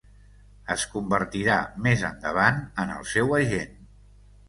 Es convertirà més endavant en el seu agent.